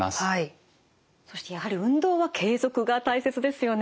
そしてやはり運動は継続が大切ですよね。